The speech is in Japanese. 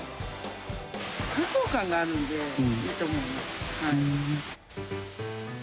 開放感があるんで、いいと思います。